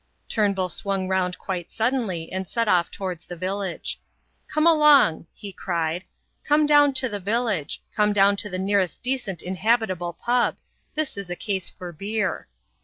Turnbull swung round quite suddenly, and set off towards the village. "Come along," he cried. "Come down to the village. Come down to the nearest decent inhabitable pub. This is a case for beer."